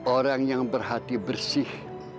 orang yang berhati bersih